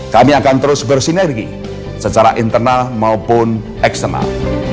kami akan terus bersinergi secara internal maupun eksternal